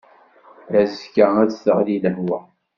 Azekka ad d-teɣli lehwa.